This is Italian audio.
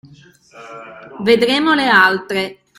Vedremo le altre.